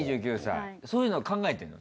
そういうの考えてるの？